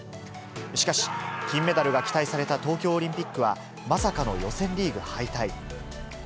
しかし、金メダルが期待された東京オリンピックは、まさかの予選リーグ敗退。